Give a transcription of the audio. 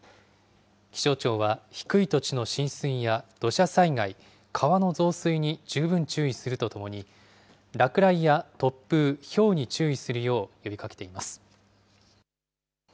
気象庁は低い土地の浸水や土砂災害、川の増水に十分注意するとともに、落雷や突風、ひょうに注意するよう呼びかけています。